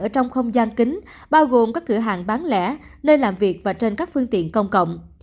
ở trong không gian kính bao gồm các cửa hàng bán lẻ nơi làm việc và trên các phương tiện công cộng